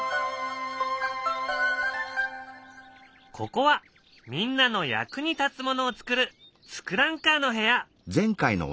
ここはみんなの役に立つものをつくる「ツクランカー」の部屋。